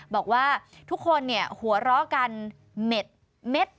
บอกว่าทุกคนหัวเต๊ะกันเม็ดชาติ